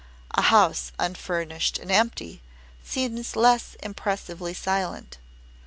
A house unfurnished and empty seems less impressively silent.